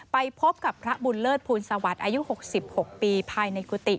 ไปพบกับพระบุญเลิศภูลสวัสดิ์อายุ๖๖ปีภายในกุฏิ